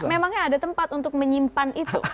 jadi ada banyak cara untuk menyimpan itu